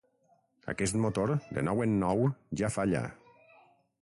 Aquest motor, de nou en nou, ja falla.